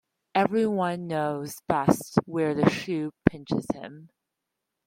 Every one knows best where the shoe pinches him.